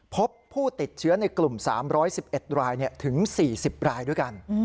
พบผู้ติดเชื้อในกลุ่ม๓๑๑รายถึง๔๐รายด้วยกัน